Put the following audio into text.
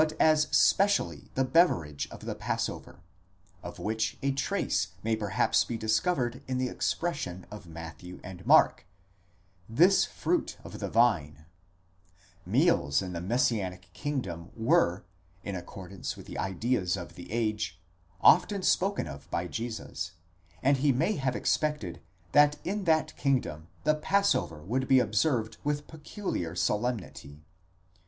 as specially the beverage of the passover ; of which a trace may perhaps be discovered in the expression of Matthew and Mark—/¢his fruit of the vine, τουτου TOD γεννήματος THs ἀμπέλου. Meals in the messianic kingdom were, in. accordance with the ideas of the age, often spoken of by Jesus, and he may have expected that in that kingdom the Passover would be observed with peculiar solemnity.